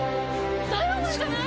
ダイワマンじゃない？